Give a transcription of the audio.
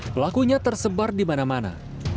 pelakunya tersebar di mana mana